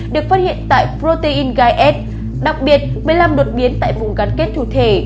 được phát hiện tại protein guis đặc biệt một mươi năm đột biến tại vùng gắn kết thủ thể